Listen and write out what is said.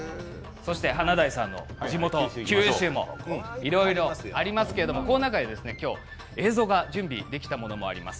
そして華大さんの地元、九州もいろいろありますけどこの中に映像が準備できたものもあります。